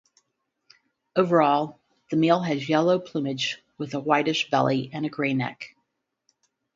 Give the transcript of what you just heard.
Overall the male has yellow plumage with a whitish belly and a grey neck.